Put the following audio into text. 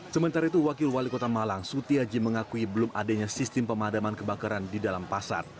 sementara itu wakil wali kota malang sutiaji mengakui belum adanya sistem pemadaman kebakaran di dalam pasar